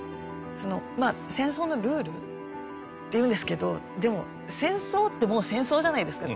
そのまあ戦争のルールっていうんですけどでも戦争ってもう戦争じゃないですか。